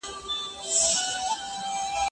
ایا ستا مقاله په سمه توګه بشپړه سوي ده؟